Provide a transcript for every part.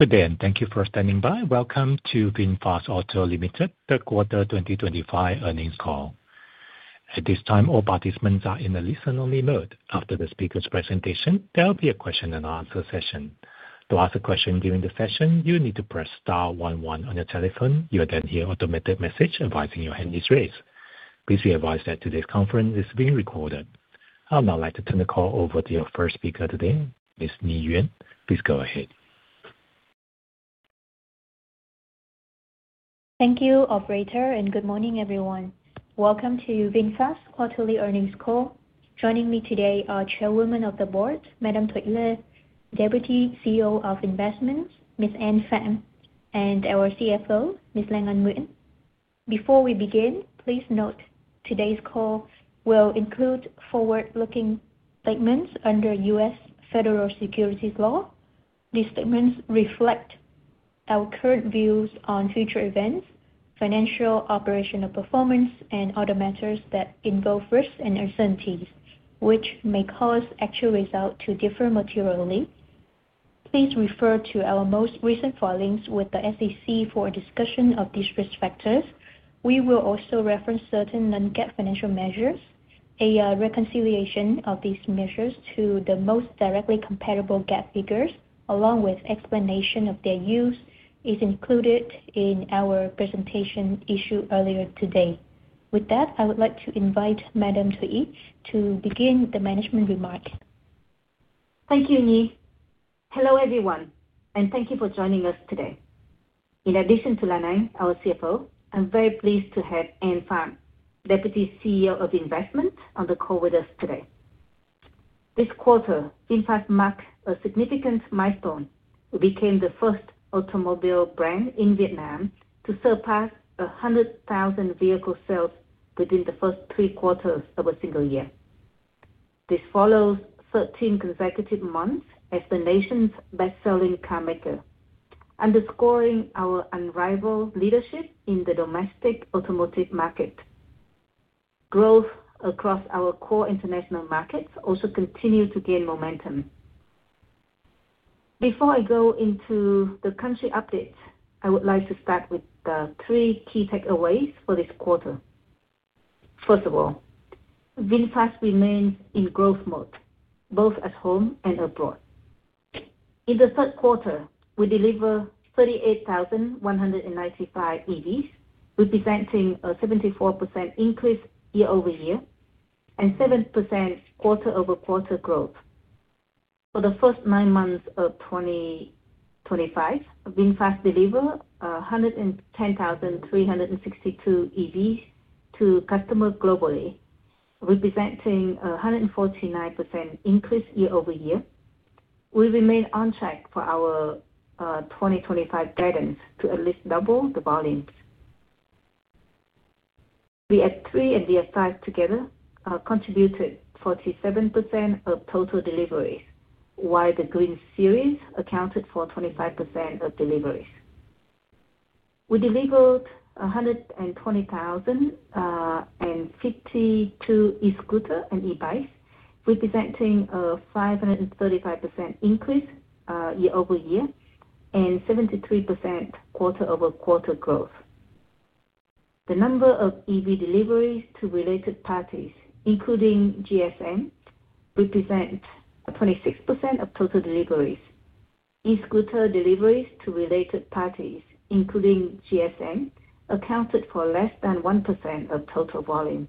Good day and thank you for standing by. Welcome to VinFast Auto Ltd, Third Quarter 2025 Earnings Call. At this time, all participants are in a listen-only mode. After the speaker's presentation, there will be a question-and-answer session. To ask a question during the session, you need to press star one-one on your telephone. You will then hear an automated message advising your hand is raised. Please be advised that today's conference is being recorded. I would now like to turn the call over to your first speaker today, Ms. Nguyen. Please go ahead. Thank you, Operator, and good morning, everyone. Welcome to VinFast Quarterly Earnings Call. Joining me today are Chairwoman of the Board, Madam Thuy Le, Deputy CEO of Investments, Ms. Anne Pham, and our CFO, Ms. Lan Anh Nguyen. Before we begin, please note today's call will include forward-looking statements under U.S. Federal Securities Law. These statements reflect our current views on future events, financial operational performance, and other matters that involve risks and uncertainties, which may cause actual results to differ materially. Please refer to our most recent filings with the SEC for a discussion of these risk factors. We will also reference certain non-GAAP financial measures. A reconciliation of these measures to the most directly compatible GAAP figures, along with explanation of their use, is included in our presentation issued earlier today. With that, I would like to invite Madam Thuy to begin the management remark. Thank you, Nhi. Hello, everyone, and thank you for joining us today. In addition to Lan Anh, our CFO, I'm very pleased to have Anne Pham, Deputy CEO of Investments, on the call with us today. This quarter, VinFast marked a significant milestone. We became the first automobile brand in Vietnam to surpass 100,000 vehicle sales within the first three quarters of a single year. This follows 13 consecutive months as the nation's best-selling car maker, underscoring our unrivaled leadership in the domestic automotive market. Growth across our core international markets also continues to gain momentum. Before I go into the country updates, I would like to start with the three key takeaways for this quarter. First of all, VinFast remains in growth mode, both at home and abroad. In the third quarter, we delivered 38,195 EVs, representing a 74% increase year-over-year and 7% quarter-over-quarter growth. For the first nine months of 2025, VinFast delivered 110,362 EVs to customers globally, representing a 149% increase year-over-year. We remain on track for our 2025 guidance to at least double the volumes. VF 3 and VF 5 together contributed 47% of total deliveries, while the Green Series accounted for 25% of deliveries. We delivered 120,052 e-scooters and e-bikes, representing a 535% increase year-over-year and 73% quarter-over-quarter growth. The number of EV deliveries to related parties, including GSM, represents 26% of total deliveries. E-scooter deliveries to related parties, including GSM, accounted for less than 1% of total volume,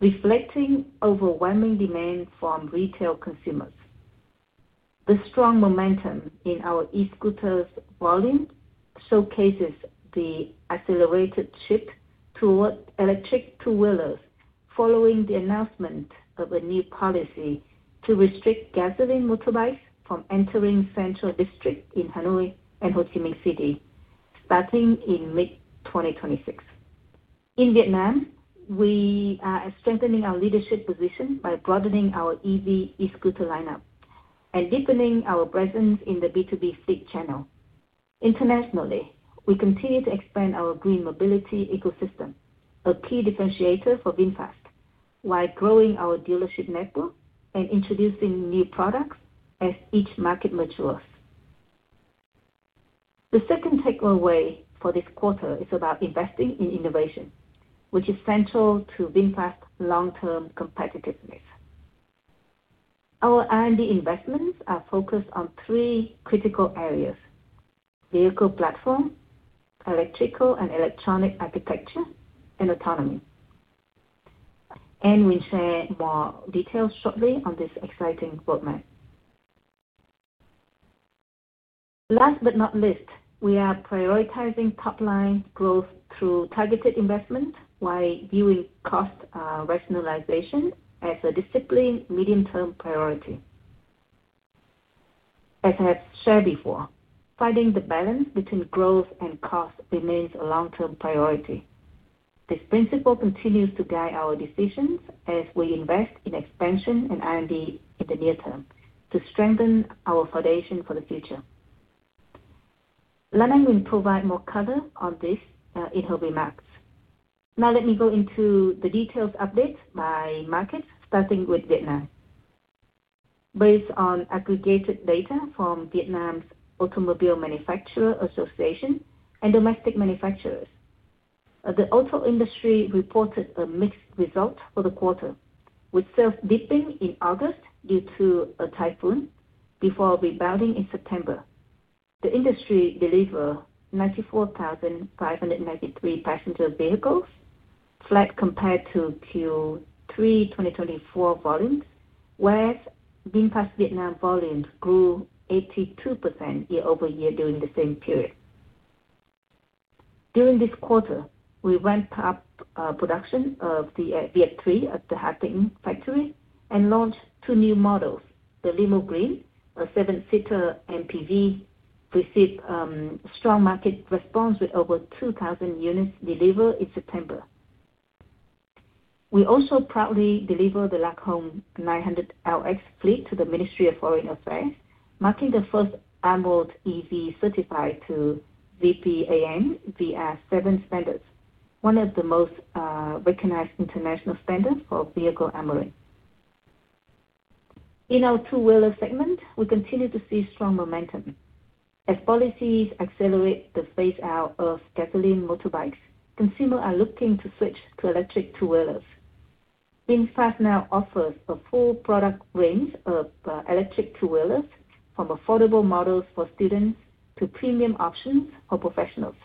reflecting overwhelming demand from retail consumers. The strong momentum in our e-scooter volume showcases the accelerated shift toward electric two-wheelers following the announcement of a new policy to restrict gasoline motorbikes from entering central districts in Hanoi and Ho Chi Minh City, starting in mid-2026. In Vietnam, we are strengthening our leadership position by broadening our EV e-scooter lineup and deepening our presence in the B2B fleet channel. Internationally, we continue to expand our green mobility ecosystem, a key differentiator for VinFast, while growing our dealership network and introducing new products as each market matures. The second takeaway for this quarter is about investing in innovation, which is central to VinFast's long-term competitiveness. Our R&D investments are focused on three critical areas: Vehicle platform, Electrical and Electronic architecture, and Autonomy. We will share more details shortly on this exciting roadmap. Last but not least, we are prioritizing top-line growth through targeted investments while viewing cost rationalization as a disciplined medium-term priority. As I have shared before, finding the balance between growth and cost remains a long-term priority. This principle continues to guide our decisions as we invest in expansion and R&D in the near term to strengthen our foundation for the future. Lan Anh will provide more color on this in her remarks. Now, let me go into the details updates by markets, starting with Vietnam. Based on aggregated data from Vietnam's Automobile Manufacturer Association and domestic manufacturers, the auto industry reported a mixed result for the quarter, with sales dipping in August due to a typhoon before rebounding in September. The industry delivered 94,593 passenger vehicles, flat compared to Q3 2024 volumes, whereas VinFast Vietnam volumes grew 82% year-over-year during the same period. During this quarter, we ramped up production of the VF 3 at the Hà Tĩnh factory and launched two new models, the Limo Green, a seven-seater MPV, which received strong market response with over 2,000 units delivered in September. We also proudly delivered the Lac Hong 900 LX fleet to the Ministry of Foreign Affairs, marking the first armored EV certified to VPAM VR7 standards, one of the most recognized international standards for vehicle armoring. In our two-wheeler segment, we continue to see strong momentum. As policies accelerate the phase-out of gasoline motorbikes, consumers are looking to switch to electric two-wheelers. VinFast now offers a full product range of electric two-wheelers, from affordable models for students to premium options for professionals.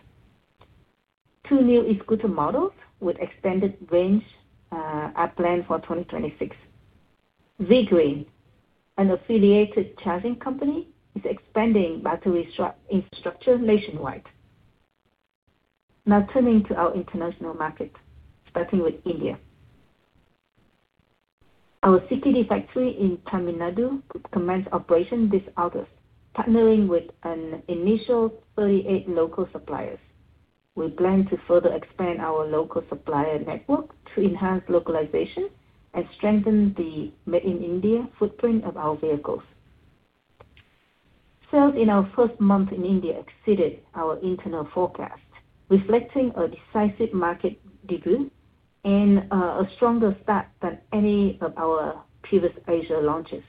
Two new e-scooter models with extended range are planned for 2026. V-Green, an affiliated charging company, is expanding battery infrastructure nationwide. Now, turning to our international market, starting with India. Our CKD factory in Tamil Nadu commenced operations this autumn, partnering with an initial 38 local suppliers. We plan to further expand our local supplier network to enhance localization and strengthen the made-in-India footprint of our vehicles. Sales in our first month in India exceeded our internal forecast, reflecting a decisive market debut and a stronger start than any of our previous Asia launches.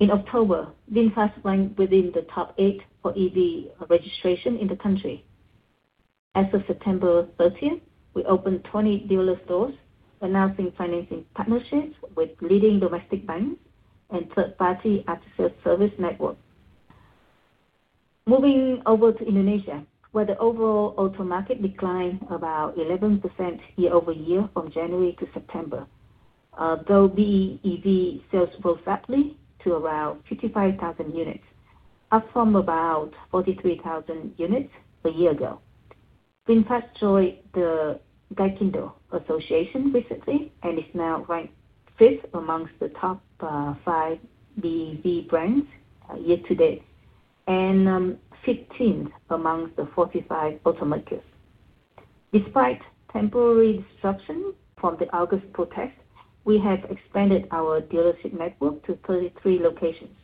In October, VinFast ranked within the top eight for EV registration in the country. As of September 13, we opened 20 dealer stores, announcing financing partnerships with leading domestic banks and third-party after-sales service networks. Moving over to Indonesia, where the overall auto market declined about 11% year-over-year from January to September, though BEV sales rose sharply to around 55,000 units, up from about 43,000 units a year ago. VinFast joined the GAIKINDO Association recently and is now ranked fifth amongst the top five BEV brands year-to-date and 15th amongst the 45 automakers. Despite temporary disruption from the August protests, we have expanded our dealership network to 33 locations.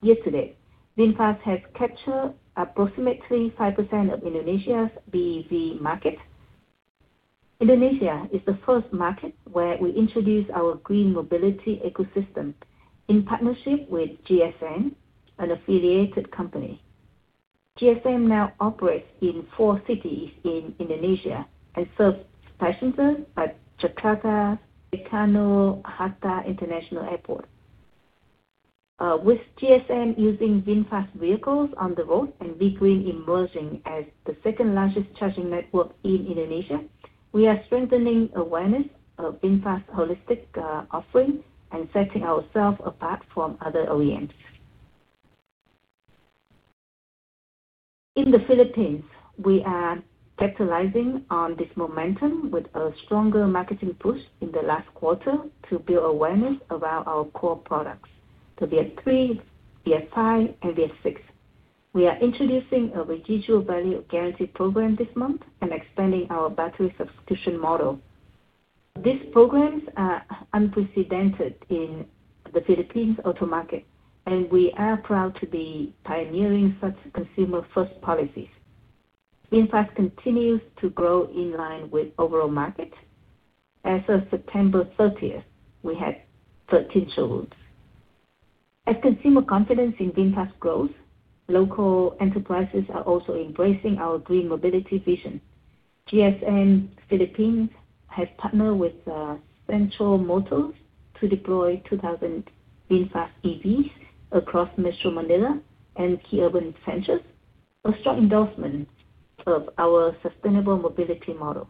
Year-to-date, VinFast has captured approximately 5% of Indonesia's BEV market. Indonesia is the first market where we introduced our green mobility ecosystem in partnership with GSM, an affiliated company. GSM now operates in four cities in Indonesia and serves passengers at Jakarta, Soekarno-Hatta International Airport. With GSM using VinFast vehicles on the road and VGreen emerging as the second-largest charging network in Indonesia, we are strengthening awareness of VinFast's holistic offering and setting ourselves apart from other OEMs. In the Philippines, we are capitalizing on this momentum with a stronger marketing push in the last quarter to build awareness around our core products: the VF 3, VF 5, and VF 6. We are introducing a residual value guarantee program this month and expanding our battery subscription model. These programs are unprecedented in the Philippines' auto market, and we are proud to be pioneering such consumer-first policies. VinFast continues to grow in line with the overall market. As of September 30th, we had 13 showrooms. As consumer confidence in VinFast grows, local enterprises are also embracing our green mobility vision. GSM Philippines has partnered with Central Motors to deploy 2,000 VinFast EVs across Metro Manila and Key Urban Ventures, a strong endorsement of our sustainable mobility model.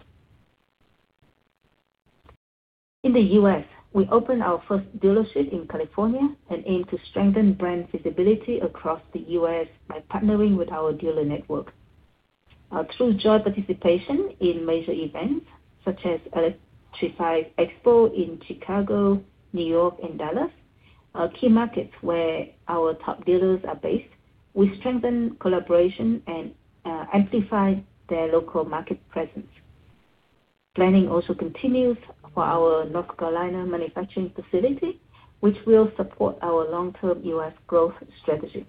In the U.S., we opened our first dealership in California and aim to strengthen brand visibility across the U.S. by partnering with our dealer network. Through joint participation in major events such as Electrify Expo in Chicago, New York, and Dallas, our key markets where our top builders are based, we strengthen collaboration and amplify their local market presence. Planning also continues for our North Carolina manufacturing facility, which will support our long-term U.S. growth strategy.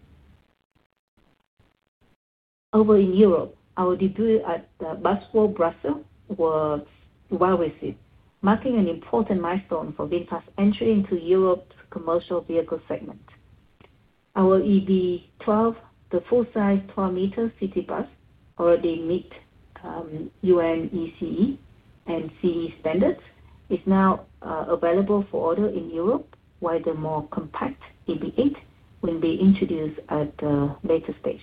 Over in Europe, our debut at the Busworld Brussels was well received, marking an important milestone for VinFast's entry into Europe's commercial vehicle segment. Our EB 12, the full-size 12-meter city bus, already meets UNECE and CE standards, is now available for order in Europe, while the more compact EB 8 will be introduced at a later stage.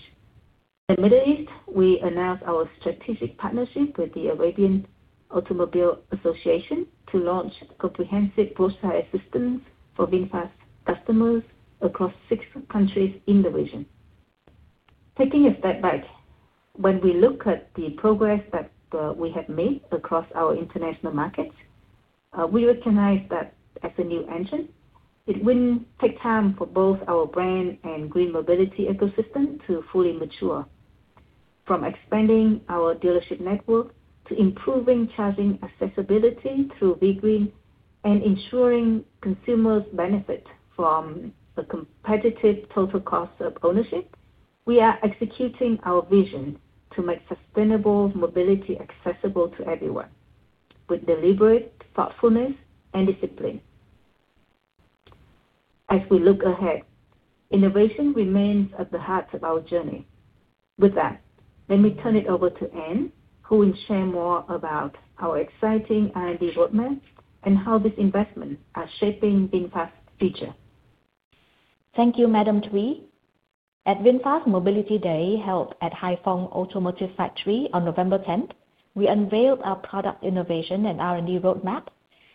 In the Middle East, we announced our strategic partnership with the Arabian Automobile Association to launch comprehensive roadside assistance for VinFast customers across six countries in the region. Taking a step back, when we look at the progress that we have made across our international markets, we recognize that as a new engine, it will take time for both our brand and green mobility ecosystem to fully mature. From expanding our dealership network to improving charging accessibility through VGreen and ensuring consumers benefit from a competitive total cost of ownership, we are executing our vision to make sustainable mobility accessible to everyone with deliberate thoughtfulness and discipline. As we look ahead, innovation remains at the heart of our journey. With that, let me turn it over to Anne, who will share more about our exciting R&D roadmap and how these investments are shaping VinFast's future. Thank you, Madam Thuy. At VinFast Mobility Day held at Hai Phong Automotive Factory on November 10th, we unveiled our product innovation and R&D roadmap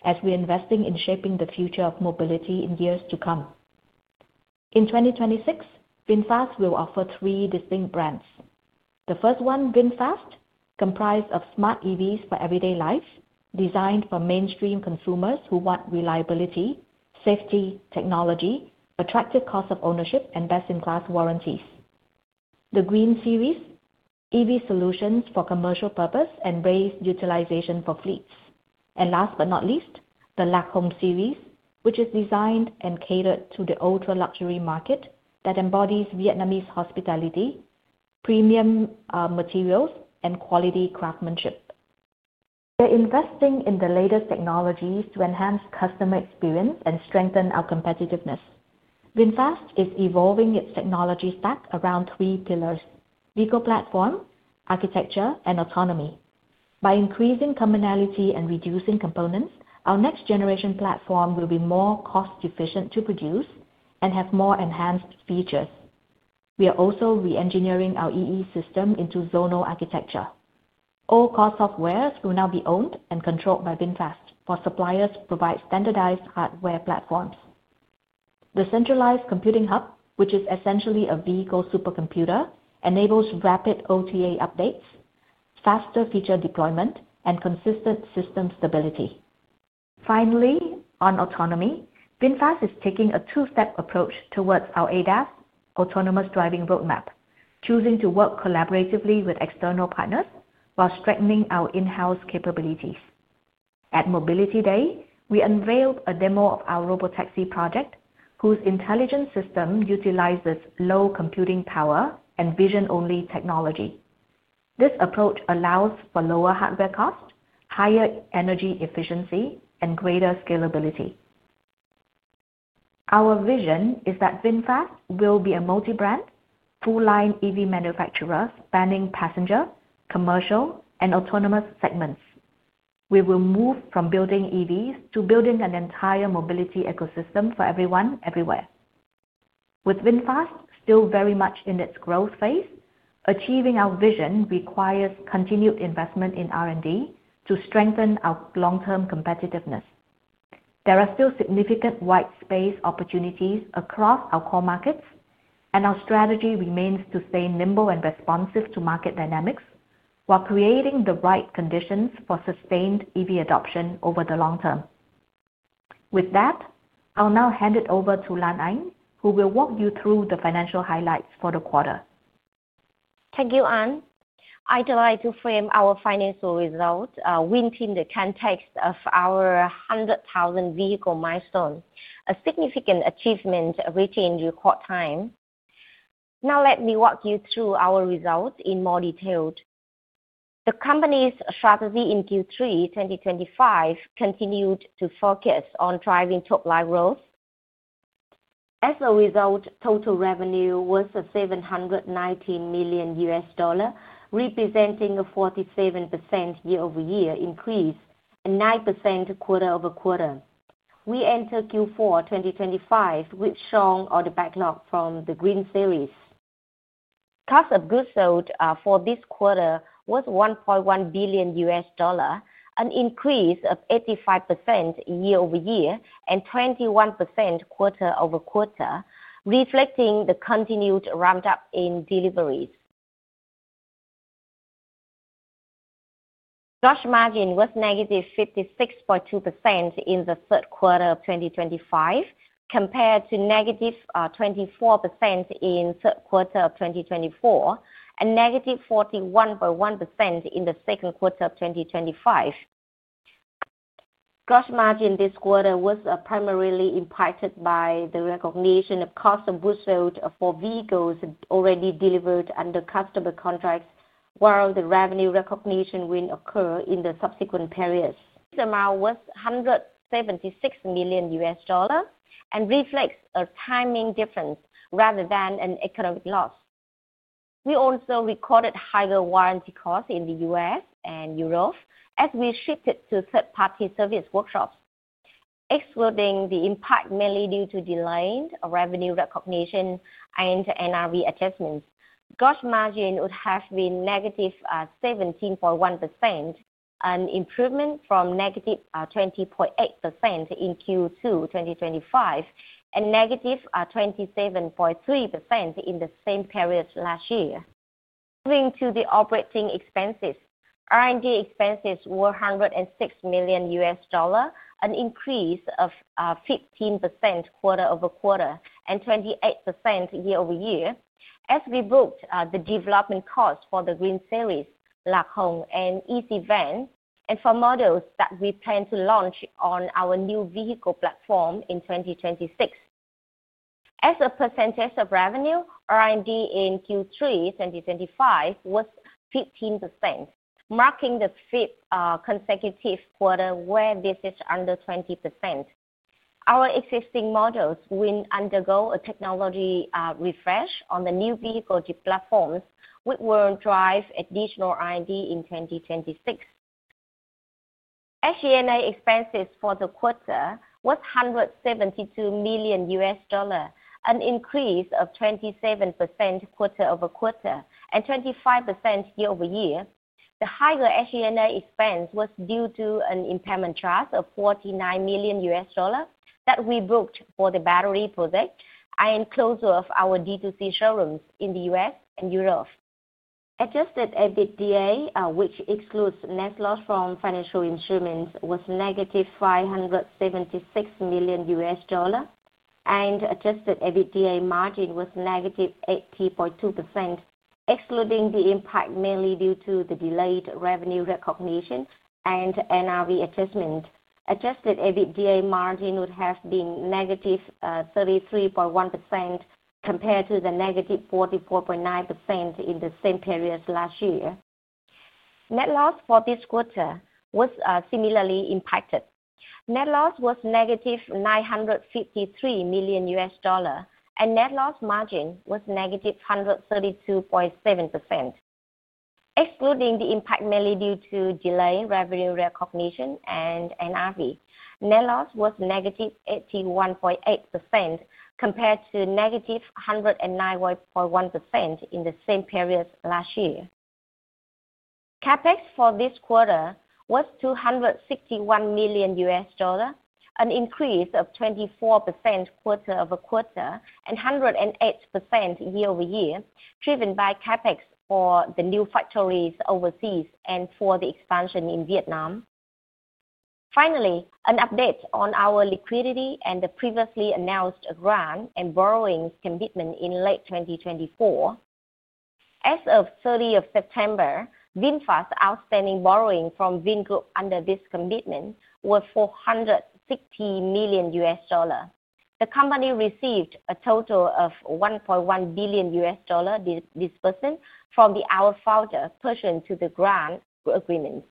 as we are investing in shaping the future of mobility in years to come. In 2026, VinFast will offer three distinct brands. The first one, VinFast, comprised of smart EVs for everyday life, designed for mainstream consumers who want reliability, safety, technology, attractive cost of ownership, and best-in-class warranties. The Green Series, EV solutions for commercial purpose, and raised utilization for fleets. Last but not least, the Lac Hong Series, which is designed and catered to the ultra-luxury market that embodies Vietnamese hospitality, premium materials, and quality craftsmanship. We are investing in the latest technologies to enhance customer experience and strengthen our competitiveness. VinFast is evolving its technology stack around three pillars: vehicle platform, architecture, and autonomy. By increasing commonality and reducing components, our next-generation platform will be more cost-efficient to produce and have more enhanced features. We are also re-engineering our EE system into zonal architecture. All car software will now be owned and controlled by VinFast, while suppliers provide standardized hardware platforms. The centralized computing hub, which is essentially a vehicle supercomputer, enables rapid OTA updates, faster feature deployment, and consistent system stability. Finally, on autonomy, VinFast is taking a two-step approach towards our ADAS Autonomous Driving Roadmap, choosing to work collaboratively with external partners while strengthening our in-house capabilities. At Mobility Day, we unveiled a demo of our robotaxi project, whose intelligent system utilizes low computing power and vision-only technology. This approach allows for lower hardware costs, higher energy efficiency, and greater scalability. Our vision is that VinFast will be a multi-brand, full-line EV manufacturer spanning passenger, commercial, and autonomous segments. We will move from building EVs to building an entire mobility ecosystem for everyone everywhere. With VinFast still very much in its growth phase, achieving our vision requires continued investment in R&D to strengthen our long-term competitiveness. There are still significant white space opportunities across our core markets, and our strategy remains to stay nimble and responsive to market dynamics while creating the right conditions for sustained EV adoption over the long term. With that, I'll now hand it over to Lan Anh, who will walk you through the financial highlights for the quarter. Thank you, Anne. I'd like to frame our financial results within the context of our 100,000 vehicle milestone, a significant achievement reaching record time. Now, let me walk you through our results in more detail. The company's strategy in Q3 2025 continued to focus on driving top-line growth. As a result, total revenue was $719 million, representing a 47% year-over-year increase and 9% quarter-over-quarter. We entered Q4 2025 with strong order backlog from the Green Series. Cost of goods sold for this quarter was $1.1 billion, an increase of 85% year-over-year and 21% quarter-over-quarter, reflecting the continued ramp-up in deliveries. Gross margin was negative 56.2% in the third quarter of 2025, compared to -24% in the third quarter of 2024 and -41.1% in the second quarter of 2025. Gross margin this quarter was primarily impacted by the recognition of cost of goods sold for vehicles already delivered under customer contracts, while the revenue recognition will occur in the subsequent periods. This amount was $176 million and reflects a timing difference rather than an economic loss. We also recorded higher warranty costs in the U.S. and Europe as we shifted to third-party service workshops. Excluding the impact mainly due to delayed revenue recognition and NRV adjustments, gross margin would have been -17.1%, an improvement from -20.8% in Q2 2025 and -27.3% in the same period last year. Moving to the operating expenses, R&D expenses were $106 million, an increase of 15% quarter-over-quarter and 28% year-over-year as we booked the development costs for the Green Series, Lac Hong, and EC Van, and for models that we plan to launch on our new vehicle platform in 2026. As a percentage of revenue, R&D in Q3 2025 was 15%, marking the fifth consecutive quarter where this is under 20%. Our existing models will undergo a technology refresh on the new vehicle platforms, which will drive additional R&D in 2026. SG&A expenses for the quarter was $172 million, an increase of 27% quarter-over-quarter and 25% year-over-year. The higher SG&A expense was due to an impairment charge of $49 million that we booked for the battery project and closure of our D2C showrooms in the U.S. and Europe. Adjusted EBITDA, which excludes net loss from financial instruments, was -$576 million, and adjusted EBITDA margin was -80.2%, excluding the impact mainly due to the delayed revenue recognition and NRV adjustment. Adjusted EBITDA margin would have been -33.1% compared to the -44.9% in the same period last year. Net loss for this quarter was similarly impacted. Net loss was -$953 million, and net loss margin was -132.7%. Excluding the impact mainly due to delayed revenue recognition and NRV, net loss was -81.8% compared to -109.1% in the same period last year. CapEx for this quarter was $261 million, an increase of 24% quarter-over-quarter and 108% year-over-year, driven by CapEx for the new factories overseas and for the expansion in Vietnam. Finally, an update on our liquidity and the previously announced grant and borrowing commitment in late 2024. As of 30 September, VinFast's outstanding borrowing from Vingroup under this commitment was $460 million. The company received a total of $1.1 billion this period from our founder's pursuit to the grant agreement.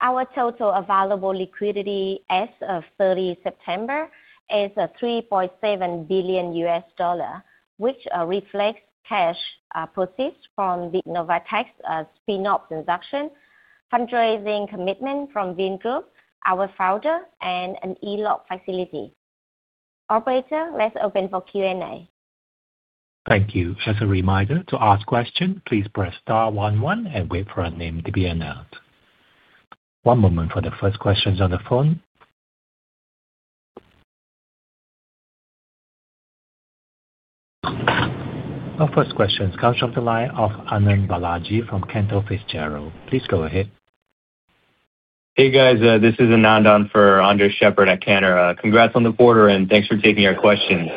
Our total available liquidity as of 30 September is $3.7 billion, which reflects cash purchased from Novatech's spin-off transaction, fundraising commitment from Vingroup, our founder, and an ELOC facility. Operator, let's open for Q&A. Thank you. As a reminder, to ask questions, please press star one-one and wait for a name to be announced. One moment for the first questions on the phone. Our first question comes from the line of Anand Balaji from Cantor Fitzgerald. Please go ahead. Hey, guys. This is Anand on for Andres Sheppard at Cantor. Congrats on the quarter, and thanks for taking our questions.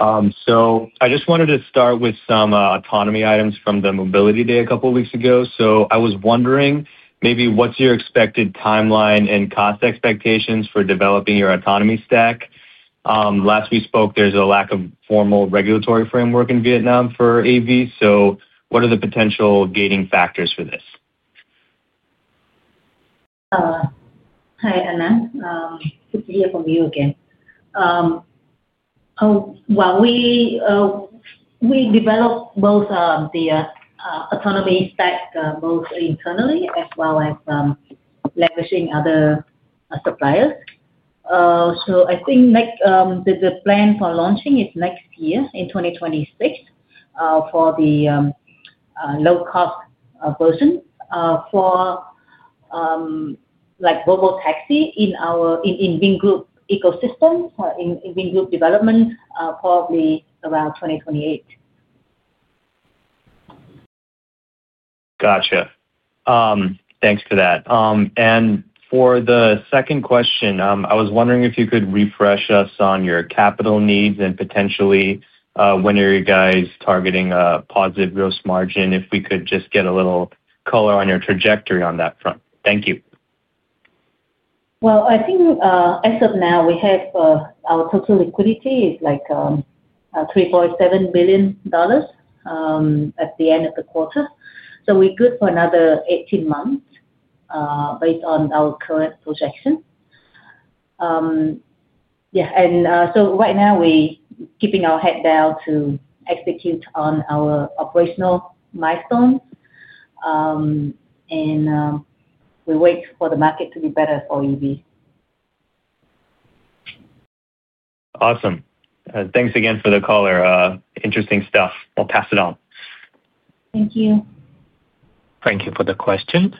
I just wanted to start with some autonomy items from the Mobility Day a couple of weeks ago. I was wondering maybe what's your expected timeline and cost expectations for developing your autonomy stack. Last we spoke, there's a lack of formal regulatory framework in Vietnam for EV. What are the potential gating factors for this? Hi, Anand. Good to hear from you again. While we develop both the autonomy stack both internally as well as leveraging other suppliers, I think the plan for launching is next year in 2026 for the low-cost version for robotaxi in Vingroup ecosystem in Vingroup development probably around 2028. Gotcha. Thanks for that. For the second question, I was wondering if you could refresh us on your capital needs and potentially when are you guys targeting a positive gross margin if we could just get a little color on your trajectory on that front. Thank you. I think as of now, we have our total liquidity is $3.7 billion at the end of the quarter. We are good for another 18 months based on our current projection. Yeah. Right now, we are keeping our head down to execute on our operational milestones, and we wait for the market to be better for EVs. Awesome. Thanks again for the caller. Interesting stuff. I'll pass it on. Thank you. Thank you for the question.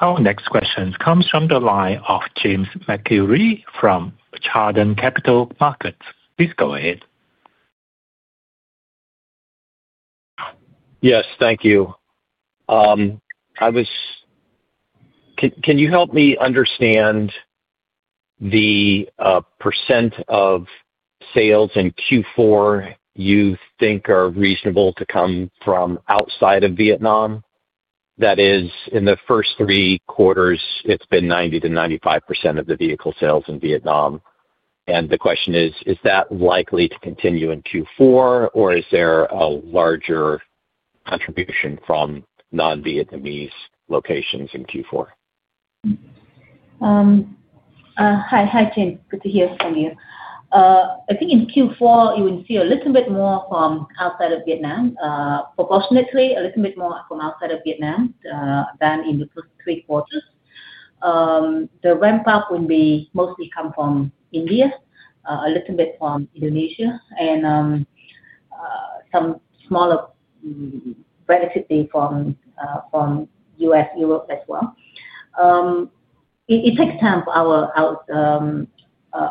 Our next question comes from the line of James McIlree from Chardan Capital Markets. Please go ahead. Yes, thank you. Can you help me understand the percent of sales in Q4 you think are reasonable to come from outside of Vietnam? That is, in the first three quarters, it's been 90%-95% of the vehicle sales in Vietnam. The question is, is that likely to continue in Q4, or is there a larger contribution from non-Vietnamese locations in Q4? Hi, James. Good to hear from you. I think in Q4, you will see a little bit more from outside of Vietnam, proportionately a little bit more from outside of Vietnam than in the first three quarters. The ramp-up will mostly come from India, a little bit from Indonesia, and some smaller relatively from U.S., Europe as well. It takes time for our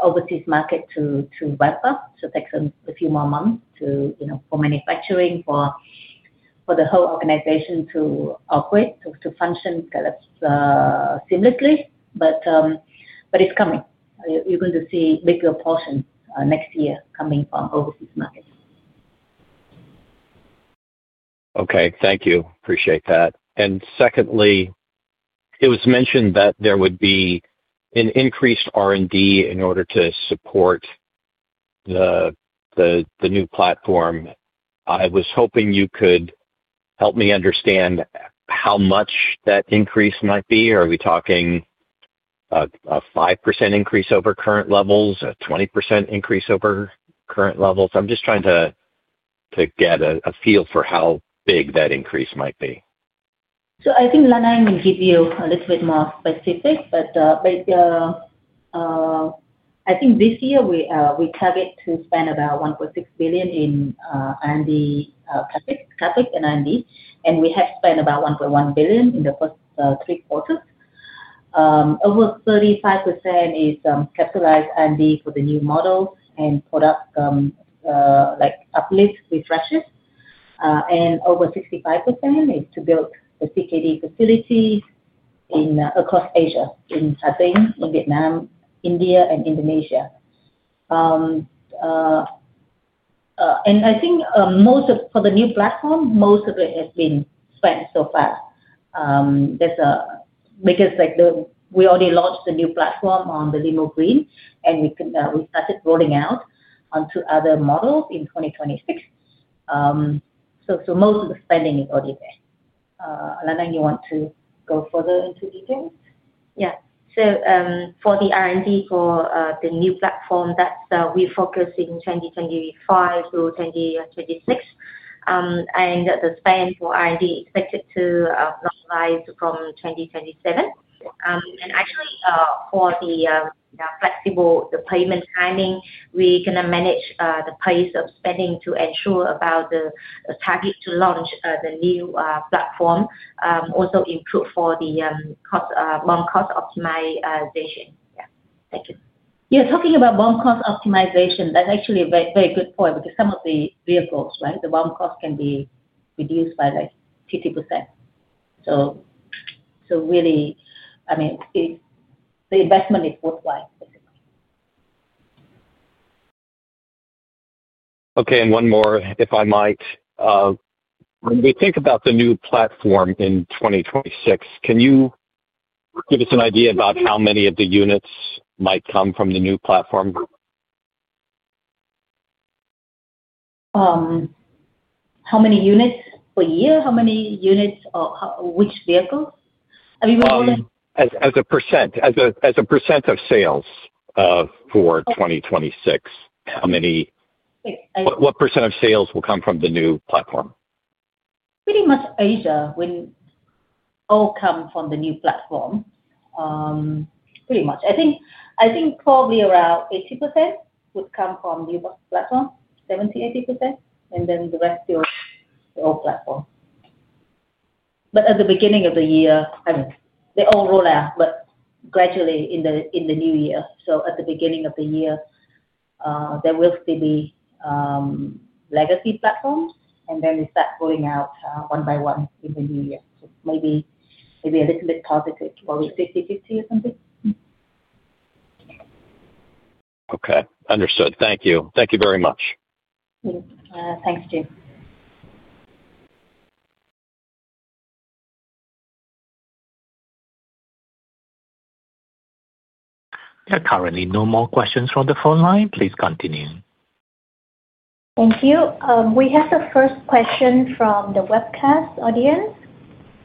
overseas market to ramp up. It takes a few more months for manufacturing, for the whole organization to operate, to function seamlessly. It's coming. You're going to see bigger portions next year coming from overseas markets. Okay. Thank you. Appreciate that. Secondly, it was mentioned that there would be an increased R&D in order to support the new platform. I was hoping you could help me understand how much that increase might be. Are we talking a 5% increase over current levels, a 20% increase over current levels? I'm just trying to get a feel for how big that increase might be. I think Lan Anh will give you a little bit more specific, but I think this year we target to spend about $1.6 billion in CapEx and R&D, and we have spent about $1.1 billion in the first three quarters. Over 35% is capitalized R&D for the new models and product uplifts, refreshes. Over 65% is to build the CKD facility across Asia in Thailand, in Vietnam, India, and Indonesia. I think for the new platform, most of it has been spent so far. We already launched the new platform on the Limo Green, and we started rolling out onto other models in 2026. Most of the spending is already there. Lan Anh, you want to go further into details? Yeah. For the R&D for the new platform, we focus in 2025 through 2026, and the spend for R&D is expected to normalize from 2027. Actually, for the flexible payment timing, we're going to manage the pace of spending to ensure about the target to launch the new platform, also improve for the bond cost optimization. Yeah. Thank you. Yeah. Talking about bond cost optimization, that's actually a very good point because some of the vehicles, right, the bond cost can be reduced by like 50%. Really, I mean, the investment is worthwhile, basically. Okay. One more, if I might. When we think about the new platform in 2026, can you give us an idea about how many of the units might come from the new platform? How many units per year? How many units or which vehicles? I mean, we're all in. As a percent of sales for 2026, how many? What percent of sales will come from the new platform? Pretty much Asia will all come from the new platform, pretty much. I think probably around 80% would come from the new platform, 70%-80%, and then the rest will be all platform. At the beginning of the year, I mean, they all roll out, but gradually in the new year. At the beginning of the year, there will still be legacy platforms, and then we start rolling out one by one in the new year. Maybe a little bit positive, probably 50/50 or something. Okay. Understood. Thank you. Thank you very much. Thanks, James. There are currently no more questions from the phone line. Please continue. Thank you. We have the first question from the webcast audience.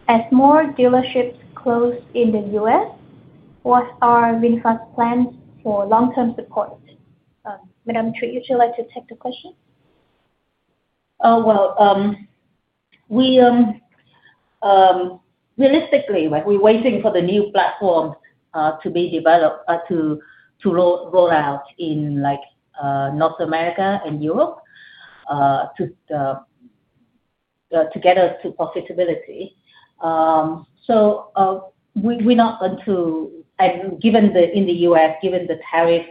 As more dealerships close in the U.S., what are VinFast's plans for long-term support? Madame, would you like to take the question? Realistically, we're waiting for the new platform to be developed, to roll out in North America and Europe together to possibility. We're not going to, and given the U.S., given the tariff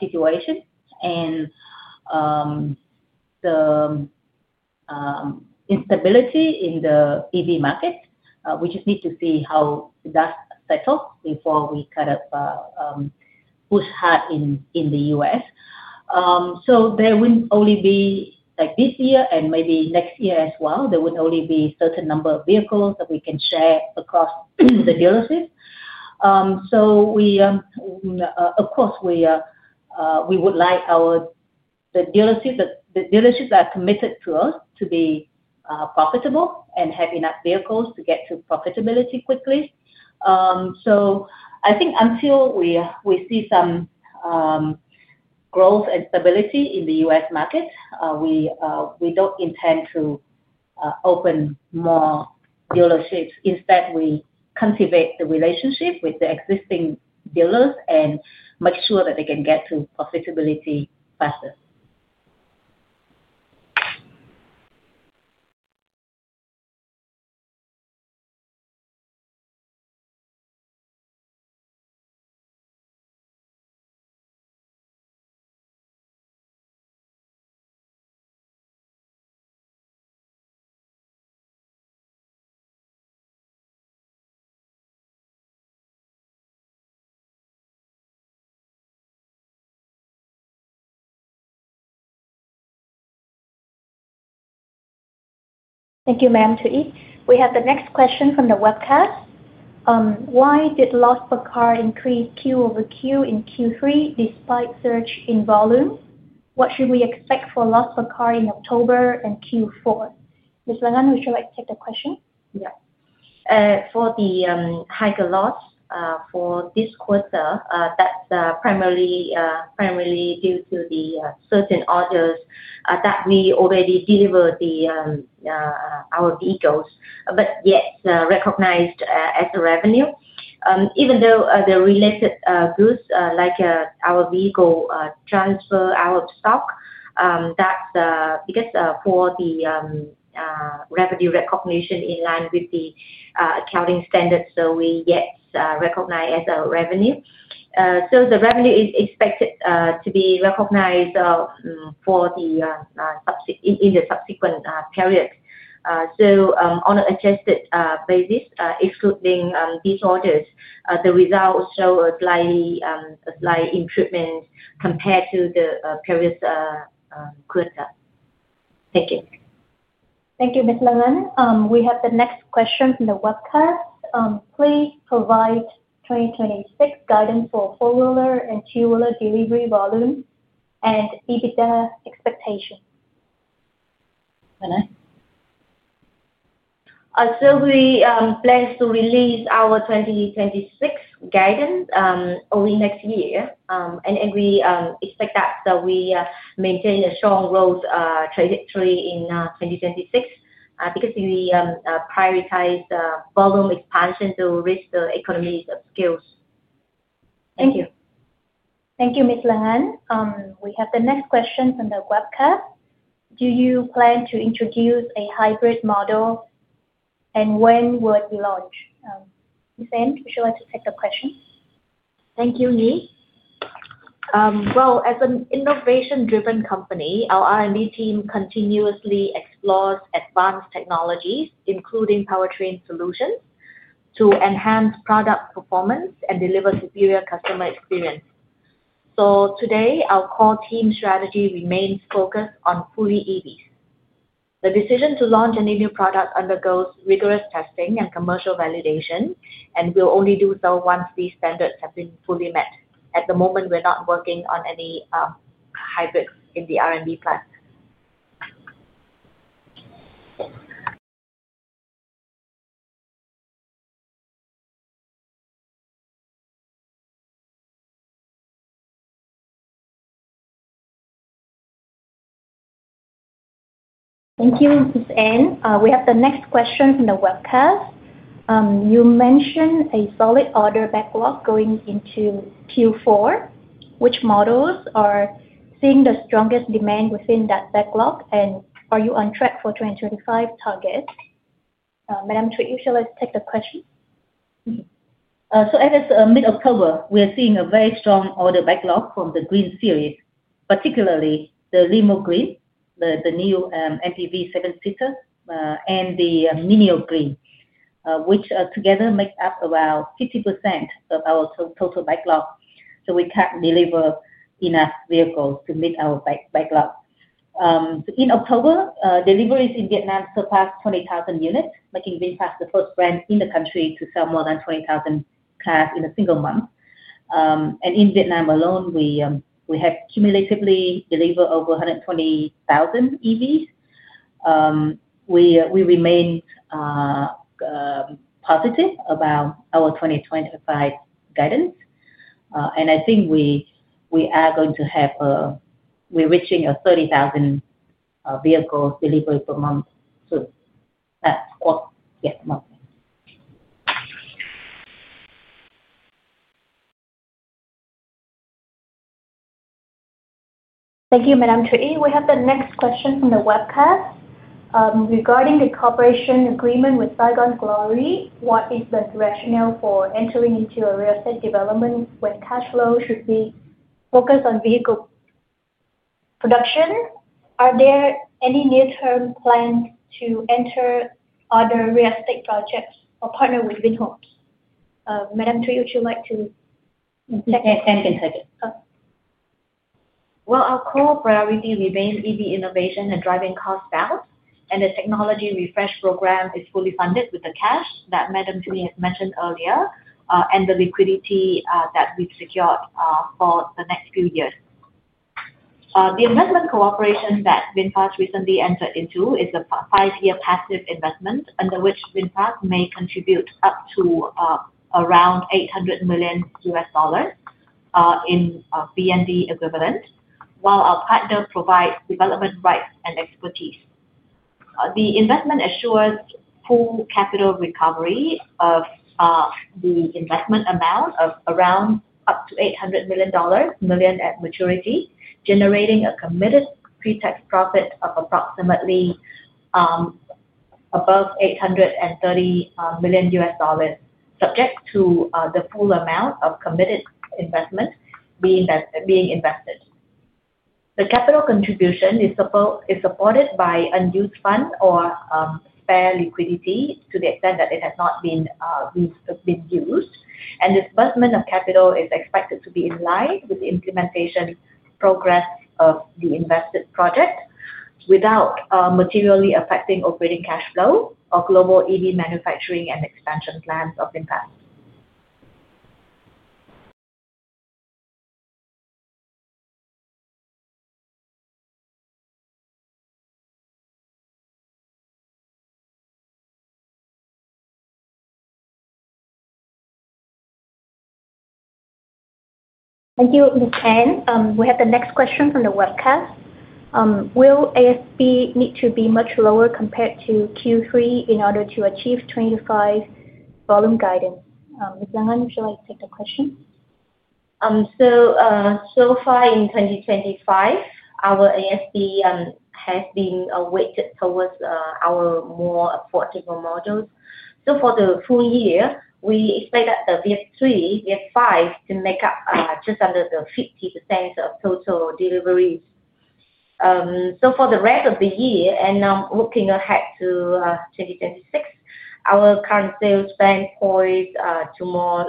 situation and the instability in the EV market, we just need to see how that settles before we kind of push hard in the U.S. There will only be this year and maybe next year as well, there would only be a certain number of vehicles that we can share across the dealership. Of course, we would like the dealerships that are committed to us to be profitable and have enough vehicles to get to profitability quickly. I think until we see some growth and stability in the U.S. market, we don't intend to open more dealerships. Instead, we cultivate the relationship with the existing dealers and make sure that they can get to profitability faster. Thank you, Madam Thuy. We have the next question from the webcast. Why did loss per car increase Q-over-Q in Q3 despite surge in volume? What should we expect for loss per car in October and Q4? Ms. Lan Anh, would you like to take the question? Yeah. For the higher loss for this quarter, that's primarily due to the certain orders that we already delivered our vehicles, but yet recognized as revenue. Even though the related goods like our vehicle transfer our stock, that's because for the revenue recognition in line with the accounting standards, we yet recognize as revenue. The revenue is expected to be recognized in the subsequent period. On an adjusted basis, excluding these orders, the results show a slight improvement compared to the previous quarter. Thank you. Thank you, Ms. Lan Anh. We have the next question from the webcast. Please provide 2026 guidance for four-wheeler and two-wheeler delivery volume and EBITDA expectation. We plan to release our 2026 guidance early next year, and we expect that we maintain a strong growth trajectory in 2026 because we prioritize volume expansion to reach the economies of scale. Thank you. Thank you, Ms. Lan Anh. We have the next question from the webcast. Do you plan to introduce a hybrid model, and when would you launch? Ms. Anh, would you like to take the question? Thank you, Nhi. As an innovation-driven company, our R&D team continuously explores advanced technologies, including powertrain solutions, to enhance product performance and deliver superior customer experience. Today, our core team strategy remains focused on fully EVs. The decision to launch any new product undergoes rigorous testing and commercial validation and will only do so once these standards have been fully met. At the moment, we're not working on any hybrids in the R&D plan. Thank you, Ms. Ann. We have the next question from the webcast. You mentioned a solid order backlog going into Q4. Which models are seeing the strongest demand within that backlog, and are you on track for 2025 targets? Madame, would you like to take the question? As of mid-October, we are seeing a very strong order backlog from the Green Series, particularly the Limo Green, the new MPV seven-seater, and the Minio Green, which together make up about 50% of our total backlog. We can't deliver enough vehicles to meet our backlog. In October, deliveries in Vietnam surpassed 20,000 units, making VinFast the first brand in the country to sell more than 20,000 cars in a single month. In Vietnam alone, we have cumulatively delivered over 120,000 EVs. We remain positive about our 2025 guidance, and I think we are going to have a—we're reaching a 30,000 vehicles delivery per month soon. Thank you, Madam Thuy. We have the next question from the webcast. Regarding the cooperation agreement with Saigon Glory, what is the threshold for entering into a real estate development when cash flow should be focused on vehicle production? Are there any near-term plans to enter other real estate projects or partner with Vinhomes? Madam, would you like to take the question? Yes, I can take it. Our core priority remains EV innovation and driving cost balance, and the technology refresh program is fully funded with the cash that Madam Thuy has mentioned earlier and the liquidity that we've secured for the next few years. The investment cooperation that VinFast recently entered into is a five-year passive investment under which VinFast may contribute up to around $800 million in VND equivalent, while our partner provides development rights and expertise. The investment assures full capital recovery of the investment amount of around up to $800 million at maturity, generating a committed pretext profit of approximately above $830 million, subject to the full amount of committed investment being invested. The capital contribution is supported by unused funds or spare liquidity to the extent that it has not been used, and the disbursement of capital is expected to be in line with the implementation progress of the invested project without materially affecting operating cash flow or global EV manufacturing and expansion plans of VinFast. Thank you, Ms. Ann. We have the next question from the webcast. Will ASP need to be much lower compared to Q3 in order to achieve 2025 volume guidance? Ms. Lan Anh, would you like to take the question? So far in 2025, our ASP has been weighted towards our more affordable models. For the full year, we expect that the VF 3, VF 5 to make up just under 50% of total deliveries. For the rest of the year and looking ahead to 2026, our current sales band poised to more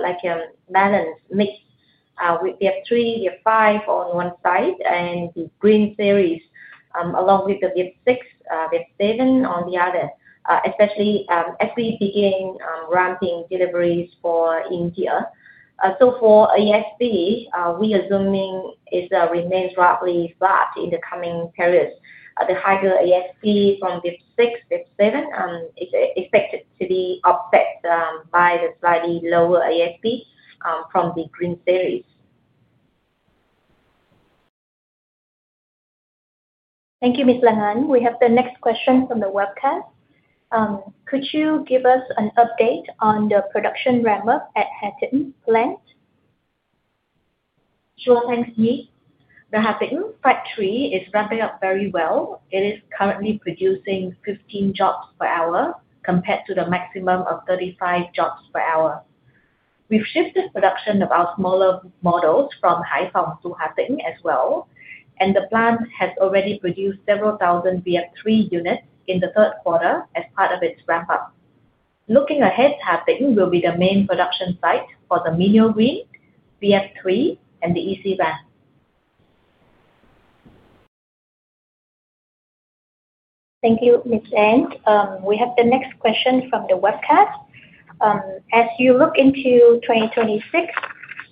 balance mix with VF 3, VF 5 on one side and the Green Series along with the VF 6, VF 7 on the other, especially as we begin ramping deliveries for India. For ASP, we are assuming it remains roughly flat in the coming periods. The higher ASP from VF 6, VF7 is expected to be offset by the slightly lower ASP from the Green Series. Thank you, Ms. Lan Anh. We have the next question from the webcast. Could you give us an update on the production ramp-up at Ha Tinh Plant? Sure, thanks, Nhi. The Hà Tĩnh factory is ramping up very well. It is currently producing 15 jobs per hour compared to the maximum of 35 jobs per hour. We've shifted production of our smaller models from Hai Phong to Hà Tĩnhas well, and the plant has already produced several thousand VF 3 units in the third quarter as part of its ramp-up. Looking ahead, Ha Tinh will be the main production site for the Mini Green, VF 3, and the EC Van. Thank you, Ms. Ann. We have the next question from the webcast. As you look into 2026,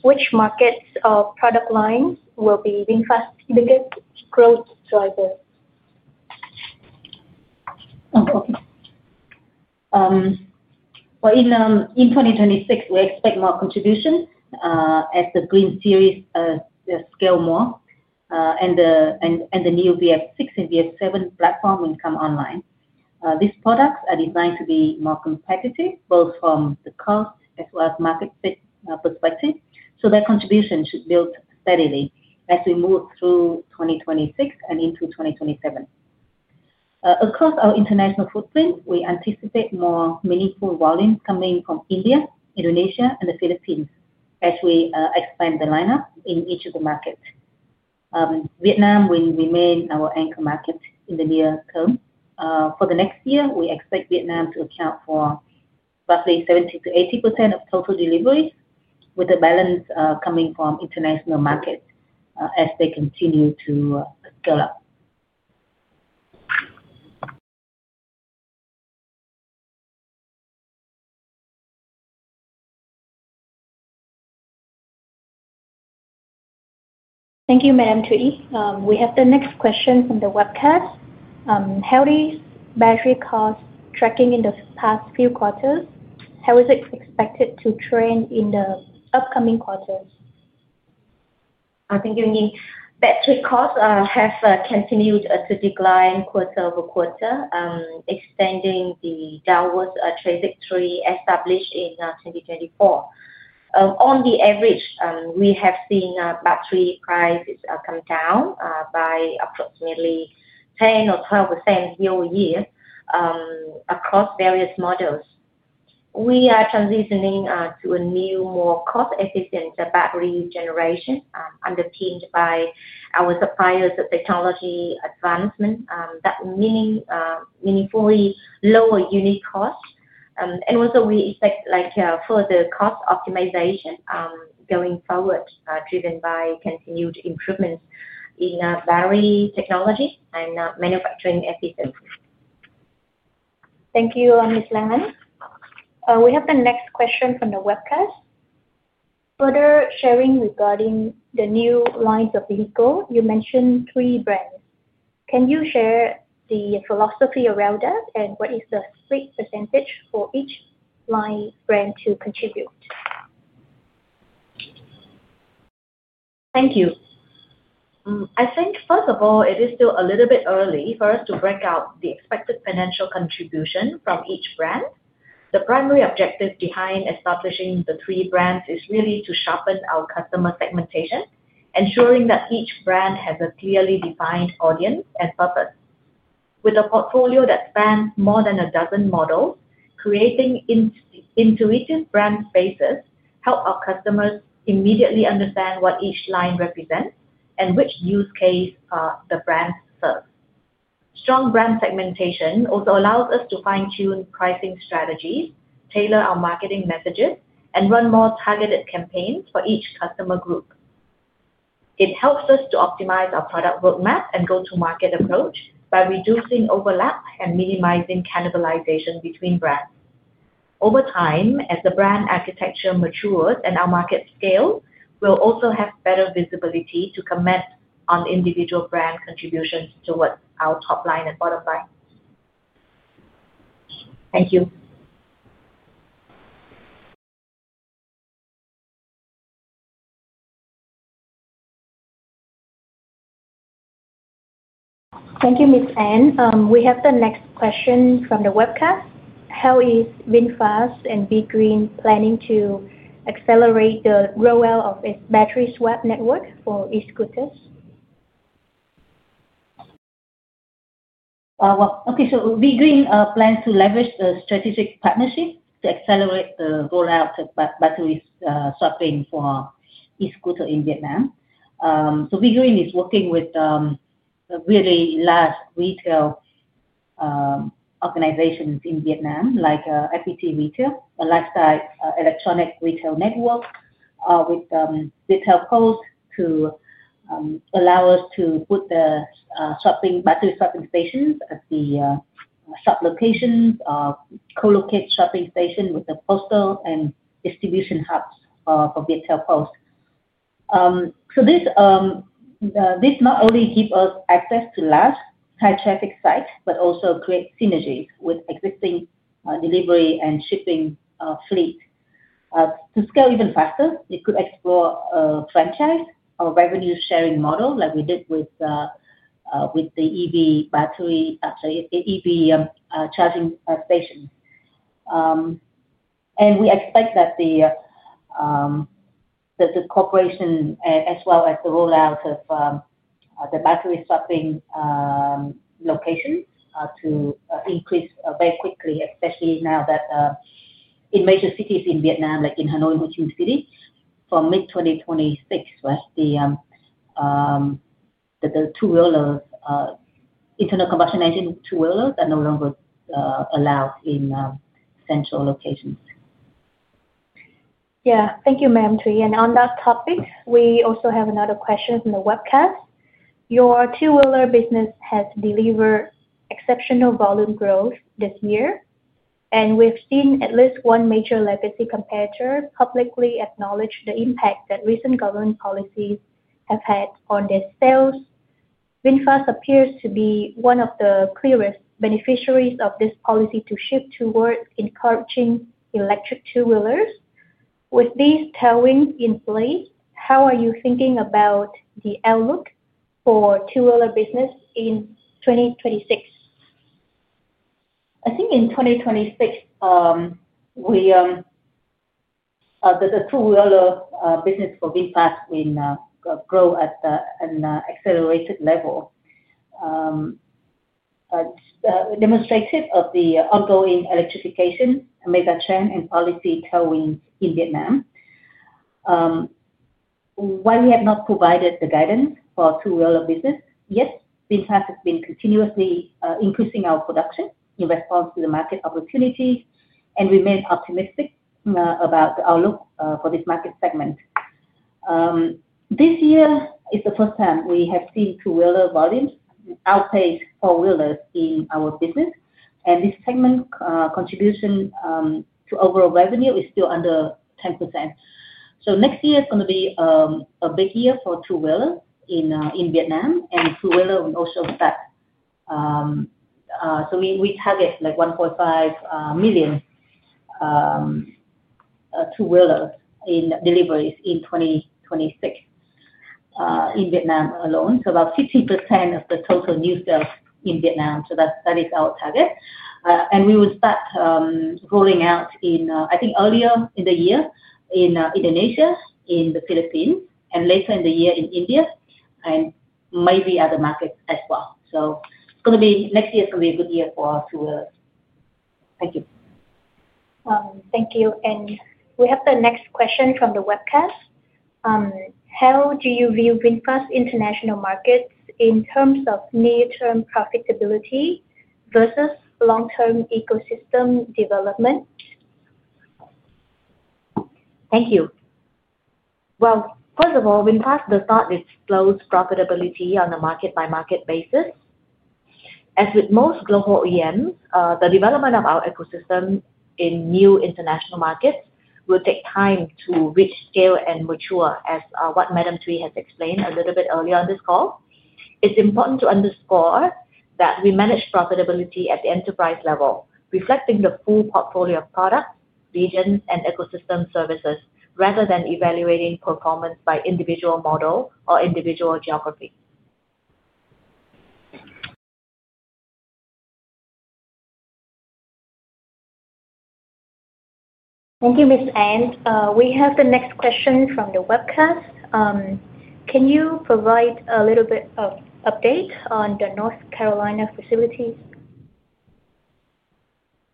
which markets or product lines will be VinFast's biggest growth driver? Oh, okay. In 2026, we expect more contributions as the Green Series scale more and the new VF 6 and VF 7 platform will come online. These products are designed to be more competitive both from the cost as well as market fit perspective, so their contribution should build steadily as we move through 2026 and into 2027. Across our international footprint, we anticipate more meaningful volumes coming from India, Indonesia, and the Philippines as we expand the lineup in each of the markets. Vietnam will remain our anchor market in the near term. For the next year, we expect Vietnam to account for roughly 70%-80% of total deliveries, with the balance coming from international markets as they continue to scale up. Thank you, Madam Thuy. We have the next question from the webcast. How is battery cost tracking in the past few quarters? How is it expected to trend in the upcoming quarters? Thank you, Nhi. Battery costs have continued to decline quarter-over-quarter, extending the downward trajectory established in 2024. On the average, we have seen battery prices come down by approximately 10% or 12% year-over-year across various models. We are transitioning to a new, more cost-efficient battery generation underpinned by our suppliers' technology advancement, that meaningfully lower unit costs. We expect further cost optimization going forward, driven by continued improvements in battery technology and manufacturing efficiency. Thank you, Ms. Lan Anh. We have the next question from the webcast. Further sharing regarding the new lines of vehicle, you mentioned three brands. Can you share the philosophy around that and what is the split percentage for each line brand to contribute? Thank you. I think, first of all, it is still a little bit early for us to break out the expected financial contribution from each brand. The primary objective behind establishing the three brands is really to sharpen our customer segmentation, ensuring that each brand has a clearly defined audience and purpose. With a portfolio that spans more than a dozen models, creating intuitive brand spaces helps our customers immediately understand what each line represents and which use case the brands serve. Strong brand segmentation also allows us to fine-tune pricing strategies, tailor our marketing messages, and run more targeted campaigns for each customer group. It helps us to optimize our product roadmap and go-to-market approach by reducing overlap and minimizing cannibalization between brands. Over time, as the brand architecture matures and our market scales, we'll also have better visibility to comment on individual brand contributions towards our top line and bottom line. Thank you. Thank you, Ms. Ann. We have the next question from the webcast. How is VinFast and V-Green planning to accelerate the roll-out of its battery swap network for e-scooters? Okay, V-Green plans to leverage the strategic partnership to accelerate the rollout of battery swapping for e-scooters in Vietnam. V-Green is working with really large retail organizations in Vietnam, like FPT Retail, a lifestyle electronic retail network with retail codes to allow us to put the battery swapping stations at the swap locations or co-locate swapping stations with the postal and distribution hubs for retail posts. This not only gives us access to large high-traffic sites but also creates synergies with existing delivery and shipping fleets. To scale even faster, we could explore a franchise or revenue-sharing model like we did with the EV charging stations. We expect that the cooperation as well as the rollout of the battery swapping locations to increase very quickly, especially now that in major cities in Vietnam, like in Hanoi, Ho Chi Minh City, from mid-2026, the internal combustion engine two-wheelers are no longer allowed in central locations. Yeah, thank you, Madam Thuy. On that topic, we also have another question from the webcast. Your two-wheeler business has delivered exceptional volume growth this year, and we've seen at least one major legacy competitor publicly acknowledge the impact that recent government policies have had on their sales. VinFast appears to be one of the clearest beneficiaries of this policy to shift towards encouraging electric two-wheelers. With these tailwinds in place, how are you thinking about the outlook for two-wheeler business in 2026? I think in 2026, the two-wheeler business for VinFast will grow at an accelerated level, demonstrative of the ongoing electrification mega trend and policy tailwinds in Vietnam. While we have not provided the guidance for two-wheeler business yet, VinFast has been continuously increasing our production in response to the market opportunities and remains optimistic about the outlook for this market segment. This year is the first time we have seen two-wheeler volumes outpace four-wheelers in our business, and this segment contribution to overall revenue is still under 10%. Next year is going to be a big year for two-wheelers in Vietnam, and two-wheeler will also start. We target like 1.5 million two-wheelers in deliveries in 2026 in Vietnam alone, so about 50% of the total new sales in Vietnam. That is our target. We will start rolling out, I think, earlier in the year in Indonesia, in the Philippines, and later in the year in India, and maybe other markets as well. Next year is going to be a good year for two-wheelers. Thank you. Thank you. We have the next question from the webcast. How do you view VinFast's international markets in terms of near-term profitability versus long-term ecosystem development? Thank you. First of all, VinFast does not disclose profitability on a market-by-market basis. As with most global EMs, the development of our ecosystem in new international markets will take time to reach, scale, and mature, as what Madam Thuy has explained a little bit earlier on this call. It's important to underscore that we manage profitability at the enterprise level, reflecting the full portfolio of products, regions, and ecosystem services, rather than evaluating performance by individual model or individual geography. Thank you, Ms. Anh. We have the next question from the webcast. Can you provide a little bit of update on the North Carolina facilities?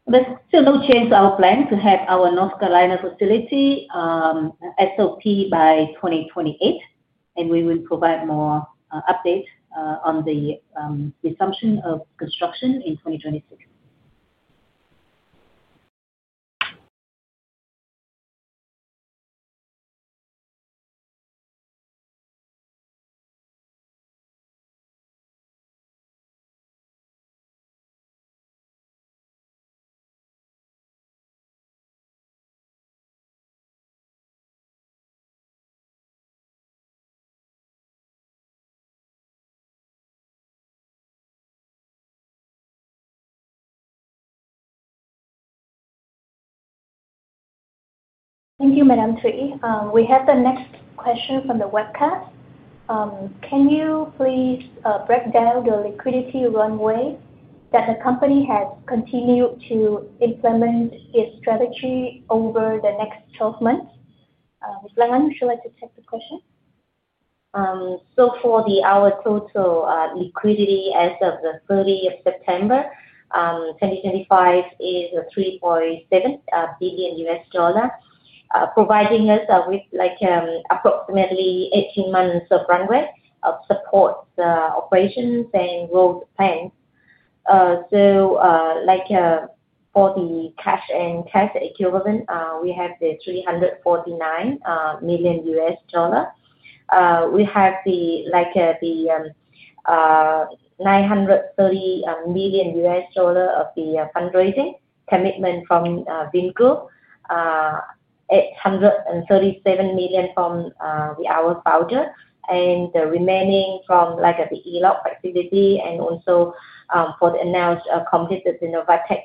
There's still no change to our plan to have our North Carolina facility SOP by 2028, and we will provide more updates on the assumption of construction in 2026. Thank you, Madam Thuy. We have the next question from the webcast. Can you please break down the liquidity runway that the company has continued to implement its strategy over the next 12 months? Ms. Lan Anh, would you like to take the question? For our total liquidity as of the 30th of September, 2025, it is $3.7 billion, providing us with approximately 18 months of runway of support operations and growth plans. For the cash and cash equivalent, we have the $349 million. We have the $930 million of the fundraising commitment from Vingroup, $837 million from our voucher, and the remaining from the ELOC facility and also for the announced completed Novatech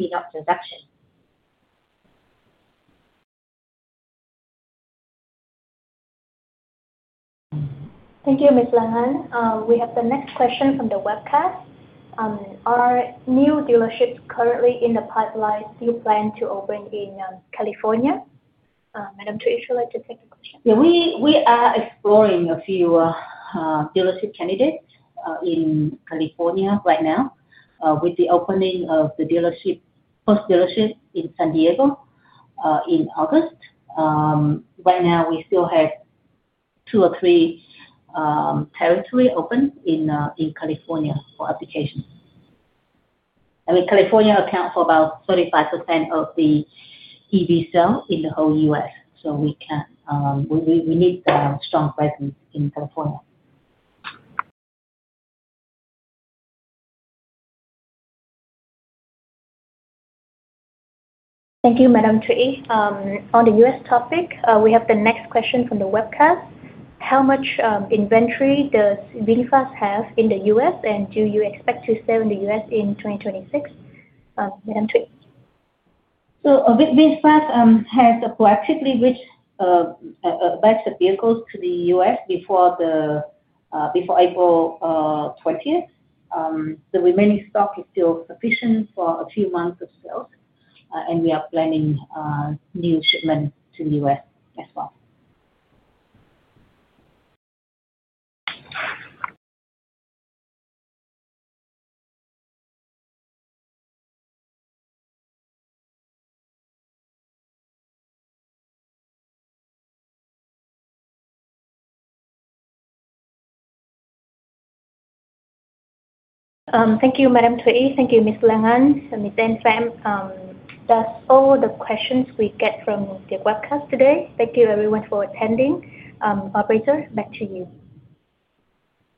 ELOC transaction. Thank you, Ms. Lan Anh. We have the next question from the webcast. Are new dealerships currently in the pipeline? Do you plan to open in California? Madam Thuy, would you like to take the question? Yeah, we are exploring a few dealership candidates in California right now with the opening of the first dealership in San Diego in August. Right now, we still have two or three territories open in California for application. I mean, California accounts for about 35% of the EV sales in the whole U.S., so we need a strong presence in California. Thank you, Madame Thuy. On the U.S. topic, we have the next question from the webcast. How much inventory does VinFast have in the U.S., and do you expect to sell in the U.S. in 2026? Madame Thuy. VinFast has proactively reached battery vehicles to the U.S. before April 20th. The remaining stock is still sufficient for a few months of sales, and we are planning new shipments to the U.S. as well. Thank you, Madame Thuy. Thank you, Ms. Lan Anh, Ms. Anne Pham. That's all the questions we get from the webcast today. Thank you, everyone, for attending. Arbrita, back to you.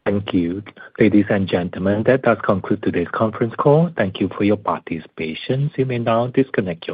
Thank you. Ladies and gentlemen, that does conclude today's conference call. Thank you for your participation. You may now disconnect.